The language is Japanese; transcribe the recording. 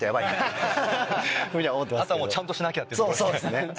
・あとはちゃんとしなきゃって・そうですね。